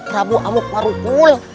prabu amuk marukul